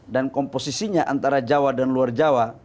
dan komposisinya antara jawa dan luar jawa